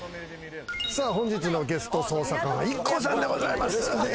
本日のゲスト捜査官はＩＫＫＯさんでございます。